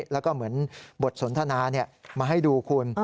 แล้วก็เหมือนบทสนทนามาให้ดูคุณ